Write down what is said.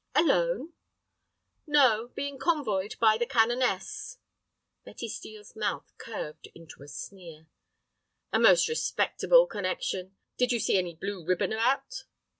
"Alone?" "No; being convoyed by the Canoness." Betty Steel's mouth curved into a sneer. "A most respectable connection. Did you see any blue ribbon about?"